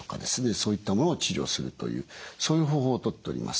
そういったものを治療するというそういう方法をとっております。